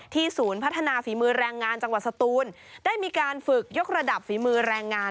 ศูนย์พัฒนาฝีมือแรงงานจังหวัดสตูนได้มีการฝึกยกระดับฝีมือแรงงาน